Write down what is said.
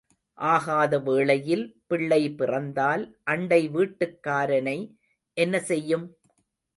ஆகாத வேளையில் பிள்ளை பிறந்தால் அண்டை வீட்டுக்காரனை என்ன செய்யும்?